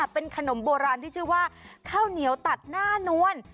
เป็นขนมโบราณที่ชื่อว่าข้าวเหนียวตัดหน้านวล